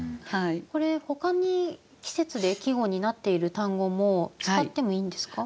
これほかに季節で季語になっている単語も使ってもいいんですか？